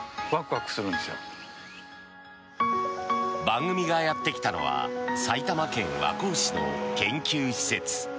番組がやってきたのは埼玉県和光市の研究施設。